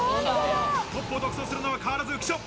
トップを独走するの変わらず浮所。